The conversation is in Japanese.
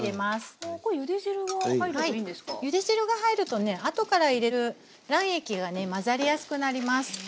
ゆで汁が入るとね後から入れる卵液が混ざりやすくなります。